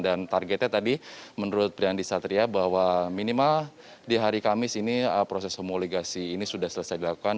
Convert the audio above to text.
dan targetnya tadi menurut priyandi satria bahwa minimal di hari kamis ini proses homologasi ini sudah selesai dilakukan